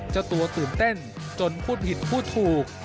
เจ้าตัวตื่นเต้นจนพูดผิดพูดถูก